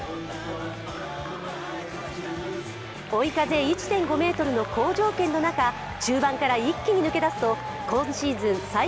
追い風１．５ｍの好条件の中中盤から一気に抜け出すと今シーズン